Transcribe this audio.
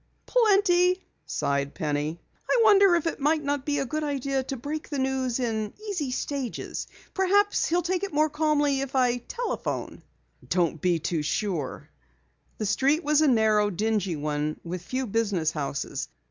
"Plenty," sighed Penny. "I wonder if it might not be a good idea to break the news by easy stages? Perhaps he'll take it more calmly if I telephone." "Don't be too sure." The street was a narrow, dingy one with few business houses.